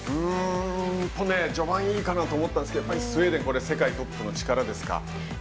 序盤いいかなと思ったんですけどスウェーデン世界トップの力ですか。